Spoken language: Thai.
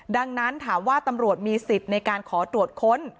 ดังนั้นถามว่าตำรวจมีสิทธิ์ในการขอตรวจค้น